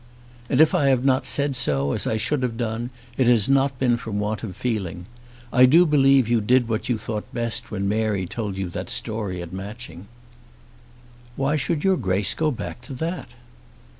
"And, if I have not said so as I should have done, it has not been from want of feeling. I do believe you did what you thought best when Mary told you that story at Matching." "Why should your Grace go back to that?"